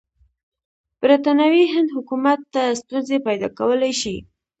برټانوي هند حکومت ته ستونزې پیدا کولای شي.